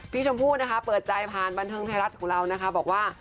ชมพู่นะคะเปิดใจผ่านบันเทิงไทยรัฐของเรานะคะบอกว่า